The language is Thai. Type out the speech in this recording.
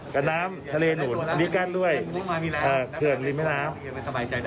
แต่น้ำทะเลหนุนอันนี้กั้นด้วยเขื่อนริมแม่น้ำ